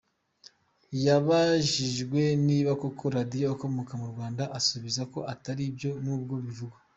Yabajijwe niba koko Radio akomoka mu Rwanda asubiza ko atari byo nubwo bivugwa.